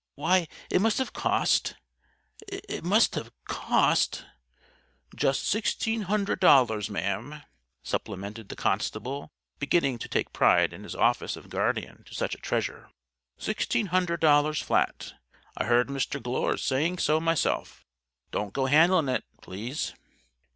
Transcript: Why, it must have cost it must have cost " "Just sixteen hundred dollars, Ma'am," supplemented the constable, beginning to take pride in his office of guardian to such a treasure. "Sixteen hundred dollars, flat. I heard Mr. Glure sayin' so myself. Don't go handlin' it, please."